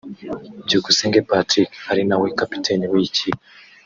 Byukusenge Patrick ari nawe kapiteni w’iyi kipe